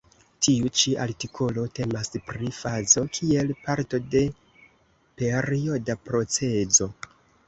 Tiu ĉi artikolo temas pri fazo kiel parto de perioda procezo.